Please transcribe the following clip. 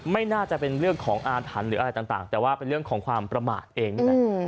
ไม่น่าจะเป็นเรื่องของอาถรรพ์หรืออะไรต่างแต่ว่าเป็นเรื่องของความประมาทเองนี่แหละ